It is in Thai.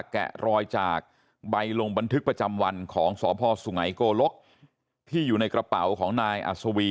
แกะรอยจากใบลงบันทึกประจำวันของสพสุงัยโกลกที่อยู่ในกระเป๋าของนายอัศวี